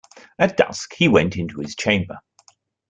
At dusk he went into his chamber.